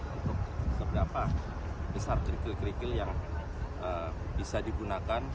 untuk seberapa besar kerikil kerikil yang bisa digunakan